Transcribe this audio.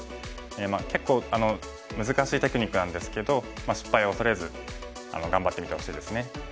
結構難しいテクニックなんですけど失敗を恐れず頑張ってみてほしいですね。